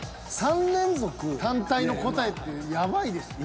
３連続単体の答えってやばいですよ。